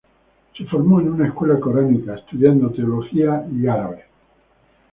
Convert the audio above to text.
Se formó en una escuela coránica, estudiando teología y lengua árabe.